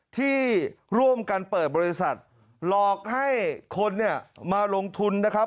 ที่ร่วมกันเปิดบริษัทหลอกให้คนเนี่ยมาลงทุนนะครับ